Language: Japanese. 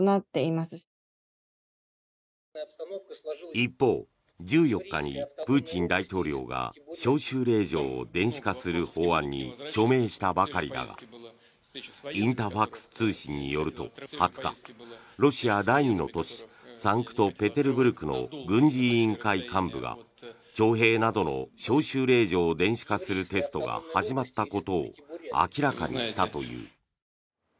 一方、１４日にプーチン大統領が招集令状を電子化する法案に署名したばかりだがインタファクス通信によると２０日ロシア第２の都市サンクトペテルブルクの軍事委員会幹部が徴兵などの招集令状を電子化するテストが始まったことを明らかにしたという。